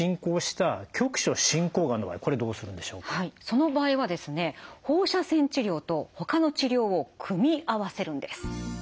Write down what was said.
その場合はですね放射線治療とほかの治療を組み合わせるんです。